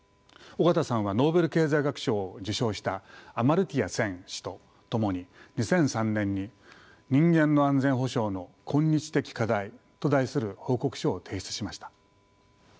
緒方さんはノーベル経済学賞を受賞したアマルティア・セン氏と共に２００３年に「人間の安全保障の今日的課題」と題する報告書を提出しました。